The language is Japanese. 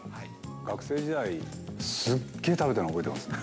学生時代、すっげえ食べてたのを覚えてます。